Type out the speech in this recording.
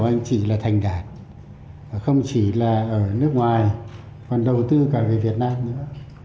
anh chỉ là thành đạt không chỉ là ở nước ngoài còn đầu tư cả về việt nam nữa